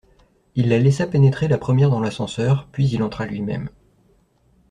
Il la laissa pénétrer la première dans l’ascenseur, puis il entra lui-même.